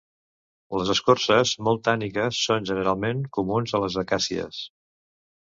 Les escorces molt tànniques són generalment comuns a les acàcies.